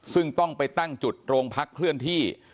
ซึ่งต้องไปตั้งจุดโรงพักเคลื่อนที่